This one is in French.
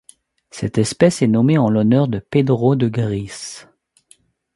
Cette espèce est nommée en l'honneur de Pedro de Grys.